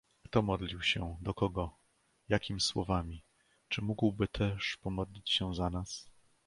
Kto modlił się, do kogo, jakim słowami, czy mógłby też pomodlić się za nas?